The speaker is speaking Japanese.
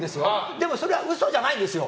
でも、それは嘘じゃないんですよ。